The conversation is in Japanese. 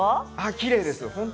きれいです。